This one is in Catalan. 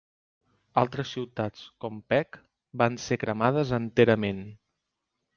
Altres ciutats, com Pec, van ser cremades enterament.